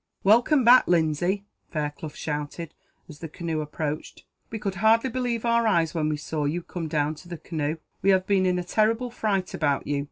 "Welcome back, Lindsay!" Fairclough shouted, as the canoe approached; "we could hardly believe our eyes, when we saw you come down to the canoe. We have been in a terrible fright about you.